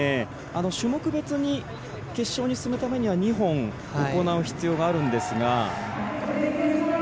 種目別に決勝に進むためには２本、行う必要があるんですが。